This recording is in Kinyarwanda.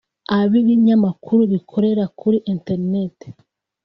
ab’ibinyamakuru bikorera kuri internet